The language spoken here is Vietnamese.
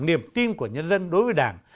niềm tin của nhân dân đối với đảng